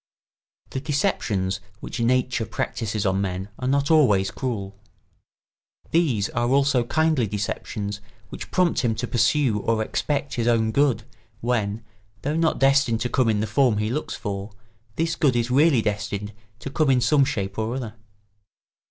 ] The deceptions which nature practises on men are not always cruel. These are also kindly deceptions which prompt him to pursue or expect his own good when, though not destined to come in the form he looks for, this good is really destined to come in some shape or other.